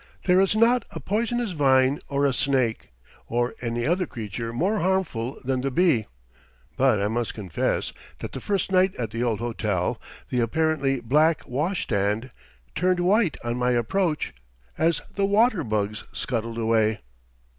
There is not a poisonous vine or a snake, or any other creature more harmful than the bee; but I must confess that the first night at the old hotel, the apparently black washstand turned white on my approach as the water bugs scuttled away.